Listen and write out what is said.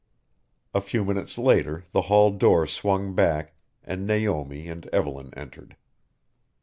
A few minutes later the hall door swung back and Naomi and Evelyn entered.